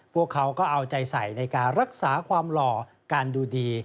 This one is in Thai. พวกเขาก็เอาใจใส่ในการรักษาความหล่อการดูดี